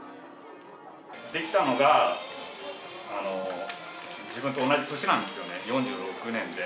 出来たのが自分と同じ年なんですよね、４６年で。